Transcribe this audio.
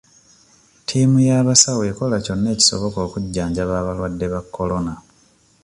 Ttiimu y'abasawo ekola kyonna ekisoboka okujjanjaba abalwadde ba kolona.